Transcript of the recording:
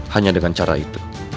hanya dengan cara itu